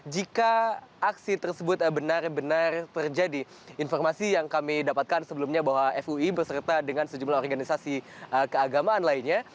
jika aksi tersebut benar benar terjadi informasi yang kami dapatkan sebelumnya bahwa fui beserta dengan sejumlah organisasi keagamaan lainnya